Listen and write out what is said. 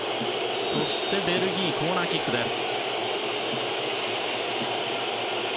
そして、ベルギーコーナーキックです。